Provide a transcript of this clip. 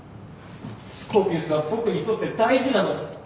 スコーピウスは僕にとって大事なのに。